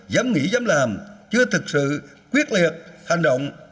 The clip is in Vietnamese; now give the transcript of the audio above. dám nghĩ dám làm chưa thực sự quyết liệt hành động